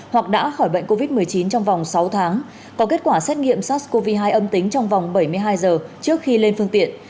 hoặc đã khỏi bệnh covid một mươi chín trong vòng sáu tháng có kết quả xét nghiệm sars cov hai âm tính trong vòng bảy mươi hai giờ trước khi lên phương tiện